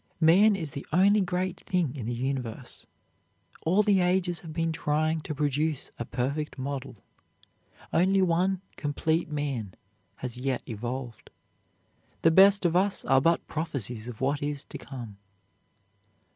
Man is the only great thing in the universe. All the ages have been trying to produce a perfect model. Only one complete man has yet evolved. The best of us are but prophesies of what is to come.